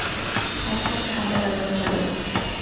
একদম ঠান্ডা লাগানো যাবে না।